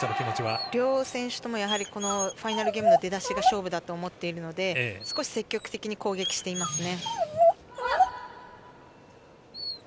両選手ともファイナルゲームの出だしが勝負だと思っているので少し積極的に攻撃していますね。